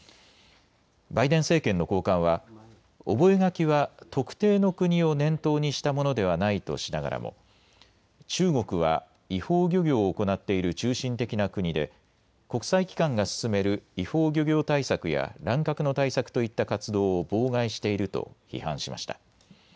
バイデン政権の高官は覚書は特定の国を念頭にしたものではないとしながらも中国は違法漁業を行っている中心的な国で国際機関が進める違法漁業対策や乱獲の対策といった活動を妨害していると批判しました。